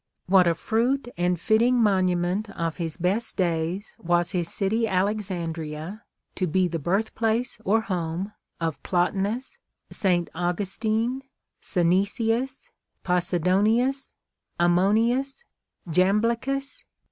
What a fruit and fitting monument of his best days was his city Alexandria to be the birthplace or home of Plotinus, St. Augustine, Synesius, Posidonius, Ammonius, Jam blichus.